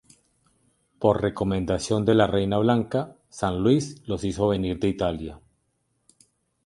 Por recomendación de la reina Blanca, San Luis los hizo venir de Italia.